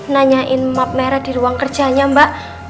nanyain map merah di ruang kerjanya mbak